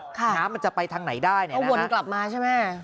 น้ำมันจะไปทางไหนได้เนี่ยก็วนกลับมาใช่ไหม